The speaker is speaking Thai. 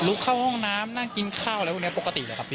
เข้าห้องน้ำนั่งกินข้าวอะไรพวกนี้ปกติเลยครับพี่